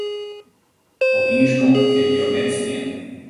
Op ien skonk kinne jo net stean.